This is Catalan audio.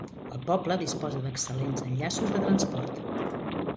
El poble disposa d'excel·lents enllaços de transport.